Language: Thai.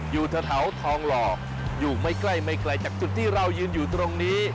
อยู่แถวทองหล่ออยู่ไม่ใกล้ไม่ไกลจากจุดที่เรายืนอยู่ตรงนี้